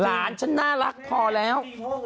หลานฉันน่ารักพอแล้ว